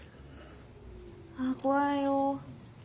あ怖いよ。